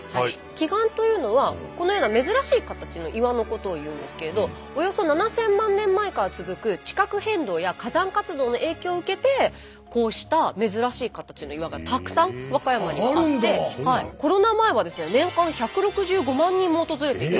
奇岩というのはこのような珍しい形の岩のことを言うんですけれどおよそ７，０００万年前から続く地殻変動や火山活動の影響を受けてこうした珍しい形の岩がたくさん和歌山にあってコロナ前はですね年間１６５万人も訪れていた。